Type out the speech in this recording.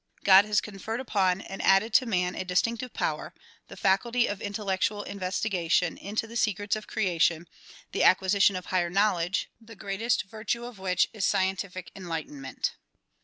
God has conferred upon and added to man a distinctive power, the faculty of intellectual investigation into the secrets of creation, the acquisition of higher knowledge, the greatest virtue of which is scientific enlightenment.